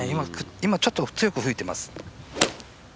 今、ちょっと強く吹いてます。